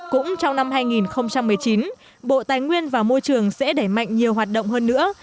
cũng trong năm hai nghìn một mươi chín bộ tài nguyên và môi trường sẽ đẩy mạnh nhiều hoạt động hơn nữa